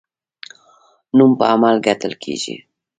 نوم په عمل ګټل کیږي